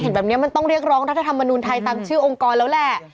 แบบนี้มันต้องเรียกร้องรัฐธรรมนุนไทยตามชื่อองค์กรแล้วแหละ